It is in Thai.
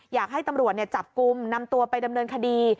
อยากให้ตำรวจจับกลุ่มนำตัวไปดำเนินคดี